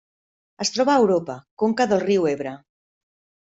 Es troba a Europa: conca del riu Ebre.